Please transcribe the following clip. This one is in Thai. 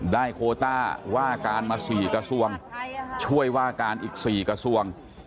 โคต้าว่าการมา๔กระทรวงช่วยว่าการอีก๔กระทรวง